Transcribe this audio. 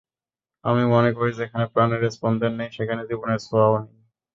আমি মনে করি যেখানে প্রাণের স্পন্দন নেই সেখানে জীবনের ছোঁয়াও নেই।